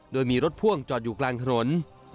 โดยมีรถพ่วงจอดอยู่กลางถนน